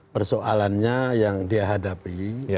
persoalannya yang dihadapi